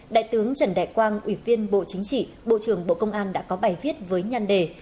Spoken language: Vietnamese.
đại tướng trần đại quang ủy viên bộ chính trị bộ trưởng bộ công an đã có bài viết với nhăn đề